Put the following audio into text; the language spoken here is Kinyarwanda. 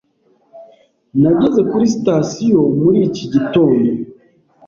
Nageze kuri sitasiyo muri iki gitondo.